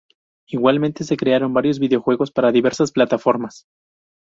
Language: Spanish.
Igualmente, se crearon varios videojuegos para diversas plataformas.